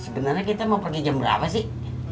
sebenarnya kita mau pergi jam berapa sih